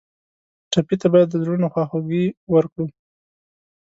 ټپي ته باید د زړونو خواخوږي ورکړو.